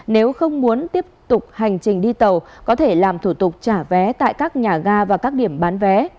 nếu không muốn tiếp tục hành trình đi tàu có thể làm thủ tục trả vé tại các nhà ga và các điểm bán vé